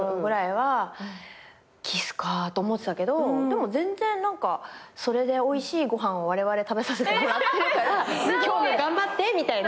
でも全然何かそれでおいしいご飯をわれわれ食べさせてもらってるから今日も頑張ってみたいな。